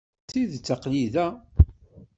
D tidet, aql-i da.